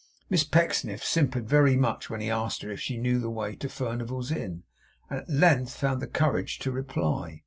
Miss Pecksniff simpered very much when he asked her if she knew the way to Furnival's Inn, and at length found courage to reply.